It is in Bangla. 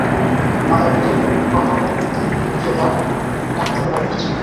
মাদারগঞ্জের কটকটিবিক্রেতা ঢাকা থেকে বাড়ি ফিরছেন।